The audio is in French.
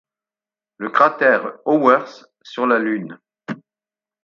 Le cratère Auwers sur la Lune.